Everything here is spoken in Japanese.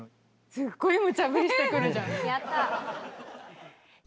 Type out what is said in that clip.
すっごいむちゃぶりしてくるじゃん。